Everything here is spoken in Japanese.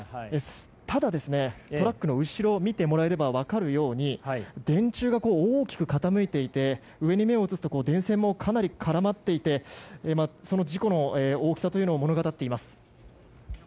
ただ、トラックの後ろを見てもらえれば分かるように電柱が大きく傾いていて上を見ると電線もかなり絡まっていて事故の大きさを物語っています。